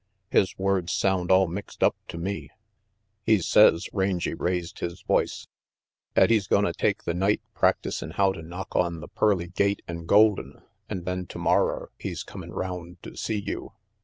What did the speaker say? "His words sound all mixed up to me." "He says," Rangy raised his voice, " 'at he's gonna take the night practicin' how to knock on the pearly gate an' golden, an' then tomorrer he's comin' round to see you."